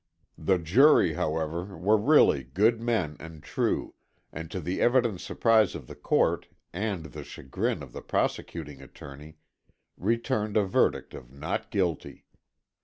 The jury, however, were really 'good men and true' and to the evident surprise of the court, and the chagrin of the prosecuting attorney, returned a verdict of not guilty.